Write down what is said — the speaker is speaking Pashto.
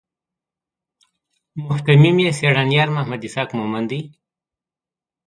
مهتمم یې څېړنیار محمد اسحاق مومند دی.